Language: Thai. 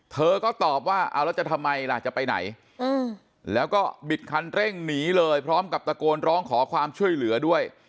เธอก็ตอบว่าเอาแล้วจะทำไมล่ะจะไปไหนแล้วก็บิดคันเร่งหนีเลยพร้อมกับตะโกนร้องขอความช่วยเหลือด้วย